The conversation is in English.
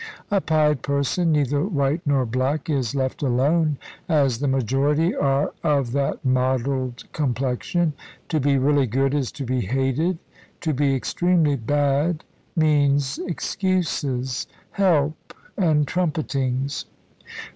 A pied person, neither white nor black, is left alone, as the majority are of that mottled complexion. To be really good is to be hated; to be extremely bad means excuses, help, and trumpetings.